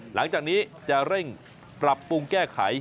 หลังจากนี้จะเร่งปรับปรุงแก้ไข